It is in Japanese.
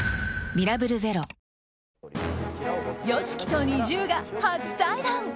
ＹＯＳＨＩＫＩとＮｉｚｉＵが初対談。